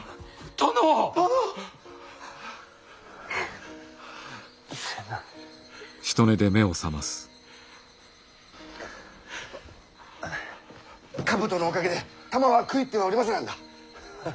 兜のおかげで弾は食い入ってはおりませなんだ。